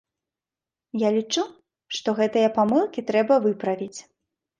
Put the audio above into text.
Я лічу, што гэтыя памылкі трэба выправіць.